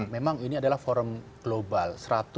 memang ini adalah forum global